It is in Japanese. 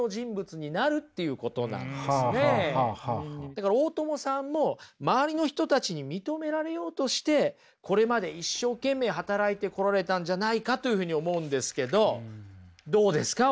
だから大友さんも周りの人たちに認められようとしてこれまで一生懸命働いてこられたんじゃないかというふうに思うんですけどどうですか？